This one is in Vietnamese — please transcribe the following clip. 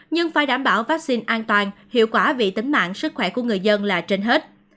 nhưng phải đảm bảo vaccine an toàn hiệu quả vì tính mạng sức khỏe của người dân là trên hết